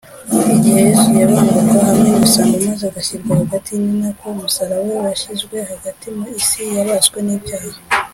igihe yesu yabambwaga hamwe n’ibisambo, maze agashyirwa “hagati”, ni nako umusaraba we washyizwe hagati mu isi yabaswe n’ibyaha